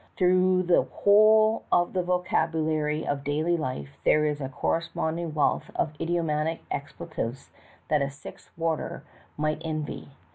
Through the whole of the vocab ulary of daily life there is a corresponding wealth of idiomatic expletives that a Sixth warder might envy.